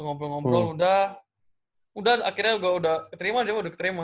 ngobrol ngobrol udah udah akhirnya udah keterima dia udah keterima